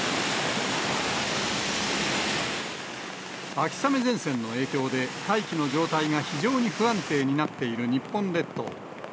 秋雨前線の影響で、大気の状態が非常に不安定になっている日本列島。